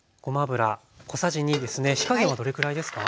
火加減はどれくらいですか？